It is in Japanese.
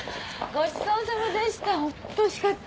ごちそうさまでした。